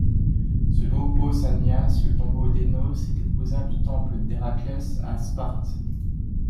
Selon Pausanias, le tombeau d'Œonos était voisin du temple d'Héraclès à Sparte.